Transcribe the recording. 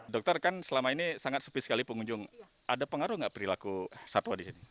dokter kan selama ini sangat sepi sekali pengunjung ada pengaruh nggak perilaku satwa di sini